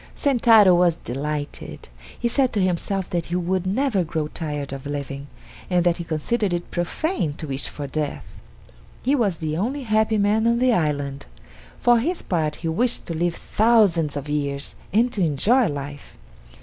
Sentaro was delighted. He said to himself that he would never grow tired of living, and that he considered it profane to wish for death. He was the only happy man on the island. For his part he wished to live thousands of years and to enjoy life.